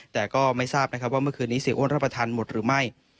แต่ก็ไม่ทราบนะครับว่าเมื่อคืนนี้เสียอ้วนรับประทานหมดหรือไม่